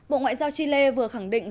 bộ ngoại giao chile vừa khẳng định